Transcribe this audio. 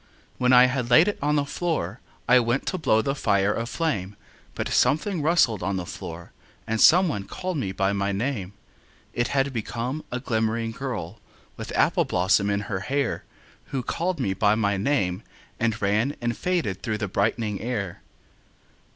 When I had laid it on the floor I went to blow the fire aflame, But something rustled on the floor, And some one called me by my name: It had become a glimmering girl With apple blossom in her hair Who called me by my name and ran And faded through the brightening air.